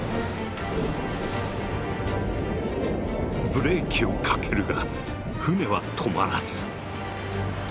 ブレーキをかけるが船は止まらず。